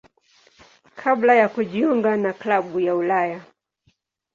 kabla ya kujiunga na klabu ya Ulaya.